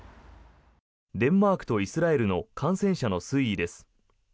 デンマークとイスラエルの感染者の推移です。